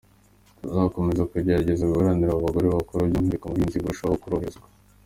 Tuzakomeza kugerageza guharanira ko abagore bakora by’umwihariko mu buhinzi barushaho koroherezwa.